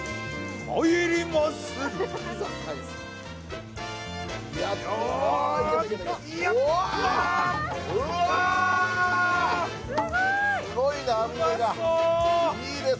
入ります。